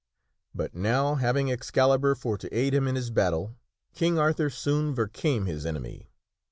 But now, having Excalibur for to aid him in his battle, King Arthur soon vercame his enemy.